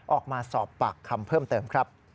ออกมาสอบปากคำเพิ่มเติมครับ